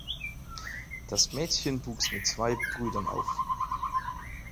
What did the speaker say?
Das Mädchen wuchs mit zwei Brüdern auf.